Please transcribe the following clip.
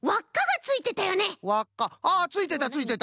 ついてたついてた！